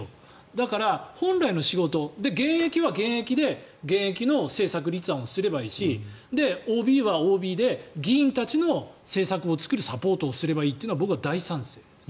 だから、本来の仕事現役は現役で現役の政策立案をすればいいしＯＢはＯＢで議員たちの政策を作るサポートをすればいいというのは僕は大賛成です。